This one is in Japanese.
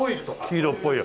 黄色っぽいや。